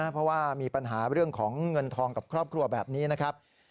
เพราะว่ามีปัญหาเรื่องของเงินทองกับครอบครัวแบบนี้นะครับ